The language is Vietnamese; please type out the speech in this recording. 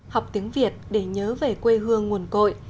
học tiếng việt để nhớ về quê hương nguồn cội